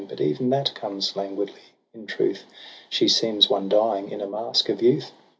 But even that comes languidly; in truth. She seems one dying in a mask of youth.